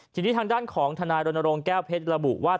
จริงที่ทางด้านของทรแก้วเพชรระบุว่า